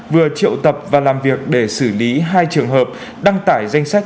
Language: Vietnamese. vừa triệu tập và làm việc để xử lý hai trường hợp đăng tải danh sách